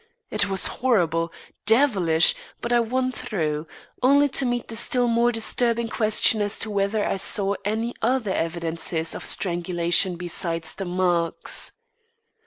It was horrible, devilish, but I won through, only to meet the still more disturbing question as to whether I saw any other evidences of strangulation besides the marks.